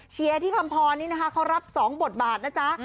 เชียร์ที่คำพรนี่นะคะเขารับ๒บทบาทนะจ๊ะ